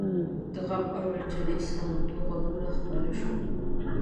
د غم او ويرجنې ساندو غږونه خپاره شول.